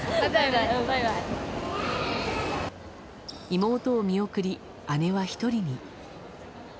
妹を見送り、姉は１人に。